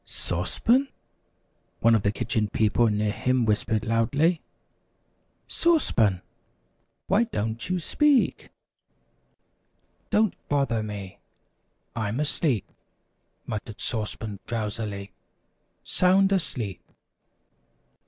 "] "Sauce Pan!" one of the Kitchen People near him whispered loudly, "Sauce Pan! Why don't you speak?" "Don't bother me. I'm asleep," muttered Sauce Pan drowsily, "sound asleep!"